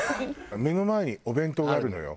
目の前にお弁当があるのよ。